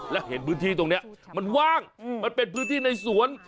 และเห็นพื้นที่ตรงนี้มันว่างมันเป็นพื้นที่ในสวน